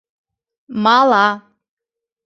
Мала.